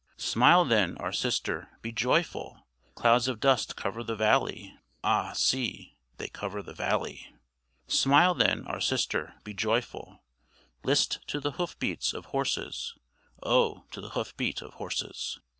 "Smile then, our sister, be joyful; Clouds of dust cover the valley; Ah! see, they cover the valley. "Smile then, our sister, be joyful; List to the hoof beat of horses; Oh! to the hoof beat of horses."